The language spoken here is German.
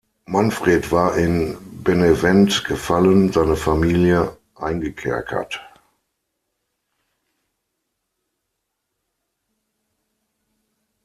Manfred war in Benevent gefallen, seine Familie eingekerkert.